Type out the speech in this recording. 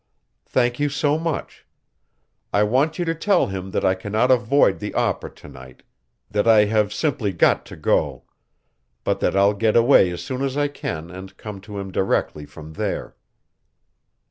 "Thank you so much. I want you to tell him that I cannot avoid the opera to night that I have simply got to go, but that I'll get away as soon as I can and come to him directly from there."